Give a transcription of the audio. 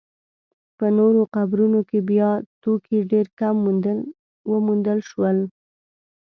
په نورو قبرونو کې بیا توکي ډېر کم وموندل شول.